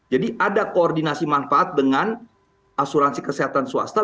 jadi ada koordinasi manfaat dengan asuransi kesehatan swasta